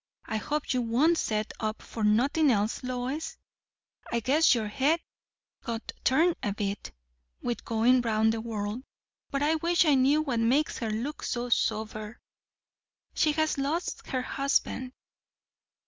"I hope you won't set up for nothin' else, Lois. I guess your head got turned a bit, with goin' round the world. But I wish I knew what makes her look so sober!" "She has lost her husband."